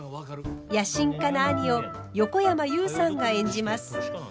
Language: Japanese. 野心家な兄を横山裕さんが演じます。